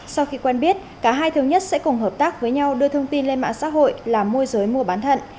sau khi quen biết cả hai thứ nhất sẽ cùng hợp tác với nhau đưa thông tin lên mạng xã hội là môi giới mua bán thận